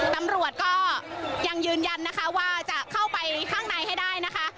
ตำรวจก็ยังยืนยันนะคะว่าจะเข้าไปข้างในให้ได้นะคะ